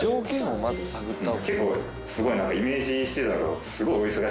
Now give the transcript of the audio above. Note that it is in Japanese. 結構すごいイメージしてたの。